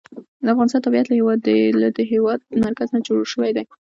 د افغانستان طبیعت له د هېواد مرکز څخه جوړ شوی دی.